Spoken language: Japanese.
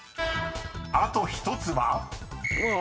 ［あと１つは？］